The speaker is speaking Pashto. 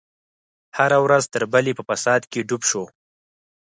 هره ورځ تر بلې په فساد کې ډوب شو.